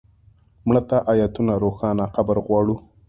مړه ته د آیتونو روښانه قبر غواړو